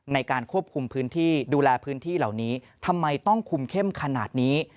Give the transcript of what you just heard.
ในการควบคุมพื้นที่ดูแลพื้นที่เหล่านี้ทำไมต้องคุมเข้มขนาดนี้